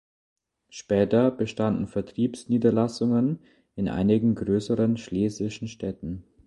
Später bestanden Vertriebsniederlassungen in einigen größeren schlesischen Städten.